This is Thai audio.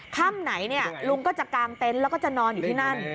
ค่ำไหนลุงก็จะกางเต็นต์แล้วก็จะนอนอยู่ที่นั่น